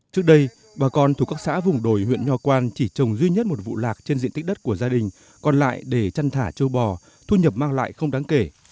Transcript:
trước đây bà con thuộc các xã vùng đồi huyện nho quan chỉ trồng duy nhất một vụ lạc trên diện tích đất của gia đình còn lại để chăn thả châu bò thu nhập mang lại không đáng kể